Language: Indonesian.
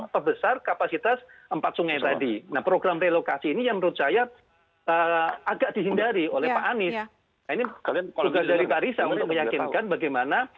pak anies ini juga dari pak risa untuk meyakinkan bagaimana